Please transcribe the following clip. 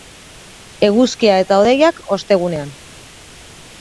Eguzkia eta hodeiak ostegunean.